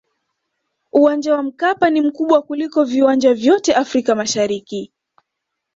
uwanja wa mkapa ni mkubwa kuliko viwanja vyote afrika mashariki